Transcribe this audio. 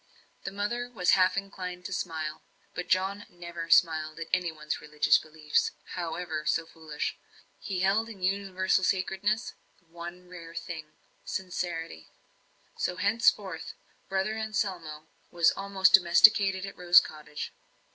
The mother was half inclined to smile; but John never smiled at any one's religious beliefs, howsoever foolish. He held in universal sacredness that one rare thing sincerity. So henceforward "Brother Anselmo" was almost domesticated at Rose Cottage.